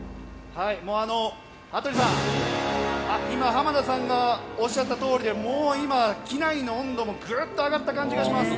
羽鳥さん、今、浜田さんがおっしゃったとおりでもう今、機内の温度もグッと上がった感じがします。